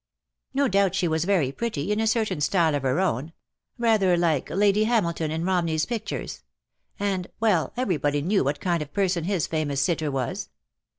"No doubt she was very pretty, in a certain style of her own — rather Uke Lady Hamilton in Romney's pictures; and, well, everybody knew what kind of person his famous sitter was.